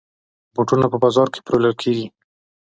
بوټونه په بازاز کې پلورل کېږي.